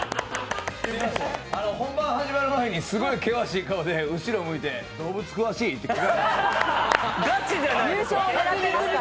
本番始まる前にすごい険しい顔で後ろ向いて動物詳しい？って聞かれました。